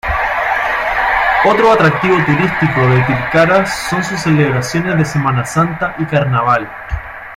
Otro atractivo turístico de Tilcara son sus celebraciones de Semana Santa y carnaval.